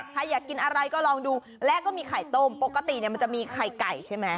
ใครอยากกินอะไรก็ลองดูและก็มีไข่ต้มปกติเนี่ยมันจะมีไข่ไก่ใช่ไหม